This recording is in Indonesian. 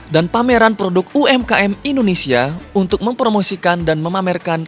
dan pameran produk umkm indonesia untuk mempromosikan dan memamerkan